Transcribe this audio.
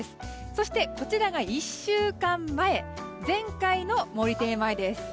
そしてこちらが１週間前前回の毛利庭園前です。